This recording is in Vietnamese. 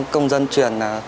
công dân truyền